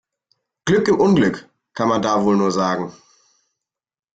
Glück im Unglück, kann man da wohl nur sagen.